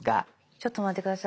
ちょっと待って下さい。